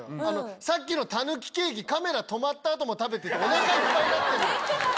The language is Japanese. さっきのたぬきケーキカメラ止まった後も食べててお腹いっぱいになってる。